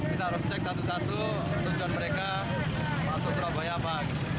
kita harus cek satu satu tujuan mereka masuk surabaya apa